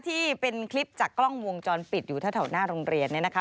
ที่เป็นคลิปจากกล้องวงจรปิดอยู่แถวหน้าโรงเรียนเนี่ยนะคะ